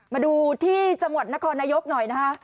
มาดูที่จังหวัดนครนายกหน่อยนะฮะ